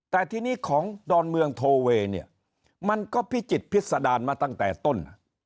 แต่ทีนี้ของดอนเมืองโทเวย์เนี่ยมันก็พิจิตรพิษดารมาตั้งแต่ต้น